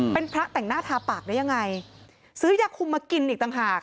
เป็นพระแต่งหน้าทาปากได้ยังไงซื้อยาคุมมากินอีกต่างหาก